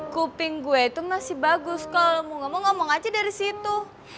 kuping gue itu masih bagus kalau mau ngomong ngomong aja dari situ